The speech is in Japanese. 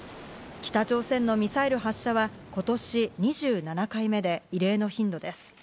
北朝鮮のミサイル発射は今年２７回目で、異例の頻度です。